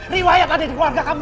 riwayatlah dari keluarga kamu